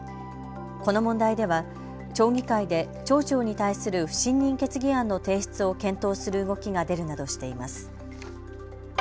この問題では町議会で町長に対する不信任決議案の提出を検討する動きが出るなどしています。